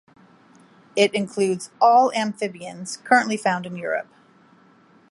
It includes all amphibians currently found in Europe.